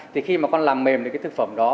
thì khi mà con làm mềm được cái thực phẩm đó